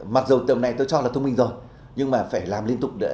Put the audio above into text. mặc dù tầm này tôi cho là thông minh rồi nhưng mà phải làm liên tục nữa